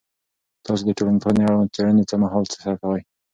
تاسو د ټولنپوهنې اړوند څېړنې څه مهال ترسره کړي؟